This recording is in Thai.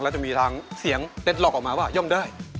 แล้วจะมีทางเสียงเต้นล็อกออกมาว่าย่อมได้